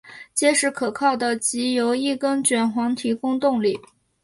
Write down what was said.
结实可靠的藉由一根卷簧提供动力。